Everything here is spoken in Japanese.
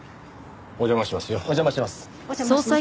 お邪魔しますよ。